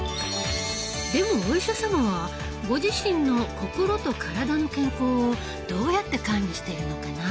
でもお医者様はご自身の心と体の健康をどうやって管理しているのかな？